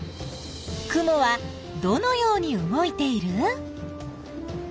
雲はどのように動いている？